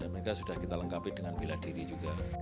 mereka sudah kita lengkapi dengan bela diri juga